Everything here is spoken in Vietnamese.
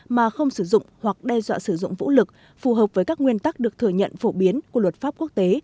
mà không sử dụng hoặc đe dọa sử dụng vũ lực phù hợp với các nguyên tắc được thừa nhận phổ biến của luật pháp quốc tế